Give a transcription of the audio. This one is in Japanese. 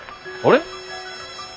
あれ？